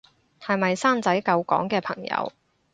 係咪生仔救港嘅朋友